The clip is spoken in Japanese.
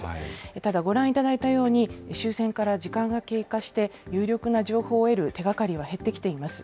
ただ、ご覧いただいたように、終戦から時間が経過して、有力な情報を得る手がかりは減ってきています。